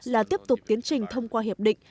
là tiếp tục tiến trình thông qua hiệp định